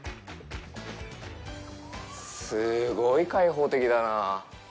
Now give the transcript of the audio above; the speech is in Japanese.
すごい開放的だなぁ。